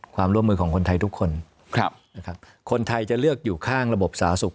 ความร่วมมือของคนไทยทุกคนนะครับคนไทยจะเลือกอยู่ข้างระบบสาธารณสุข